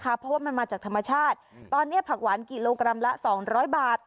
เพราะว่ามันมาจากธรรมชาติตอนนี้ผักหวานกิโลกรัมละสองร้อยบาท